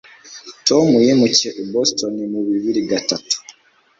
tom yimukiye i boston mu bibiri gatatu